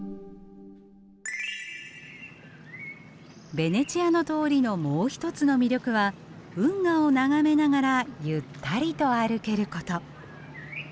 ベネチアの通りのもう一つの魅力は運河を眺めながらゆったりと歩けること。